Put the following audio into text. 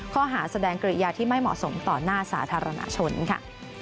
ข้อหาแสดงกริยาที่ไม่เหมาะสมต่อหน้าสาธารณชนค่ะ